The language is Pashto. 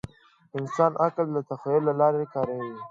د انسان عقل د تخیل له لارې کار کوي.